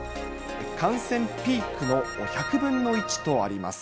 感染ピークの１００分の１とあります。